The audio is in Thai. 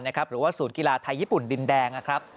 หรือว่าศูนย์กีฬาไทยญี่ปุ่นดินแดงนะครับ